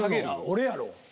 俺やろう。